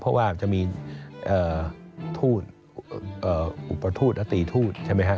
เพราะว่าจะมีทูตอุปทูตอตีทูตใช่ไหมครับ